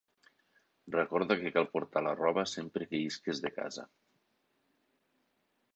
Recorda que cal portar la roba sempre que isques de casa.